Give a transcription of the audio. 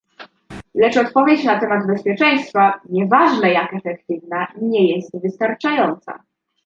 Lecz odpowiedź na temat bezpieczeństwa, nieważne jak efektywna, nie jest wystarczająca